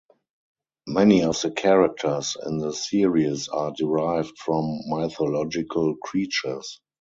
Many of the characters in the series are derived from mythological creatures.